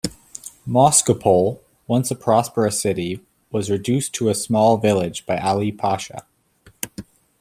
Moscopole, once a prosperous city, was reduced to a small village by Ali Pasha.